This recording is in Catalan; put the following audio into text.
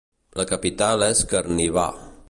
La capital és Karviná.